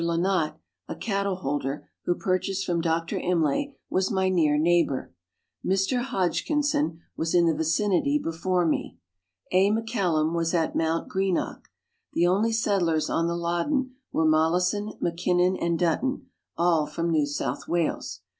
Lynott, a cattle holder, who purchased from Dr. Imlay, was my near neighbour. Mr. Hodgkinson was in the vicinity before me. A. McCallum was at Mount Greenock. The only settlers on the Loddon were Mollison, Mackinnon, and Dutton all from New South Wales.